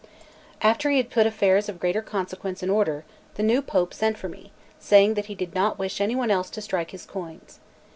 3 After he had put affairs of greater consequence in order, the new Pope sent for me, saying that he did not wish any one else to strike his coins.